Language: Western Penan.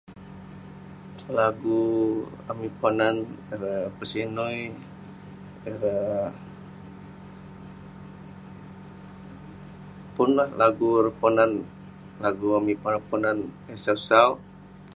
Lagu amik ponan ireh..pesinui..ireh.. pun lah lagu ireh ponan.. lagu amik ponan ponan eh sau sau.